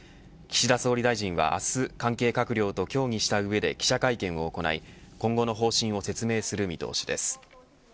岸田総理大臣は明日関係閣僚と協議した上で記者会見を行い今後の方針を説明する見通しです。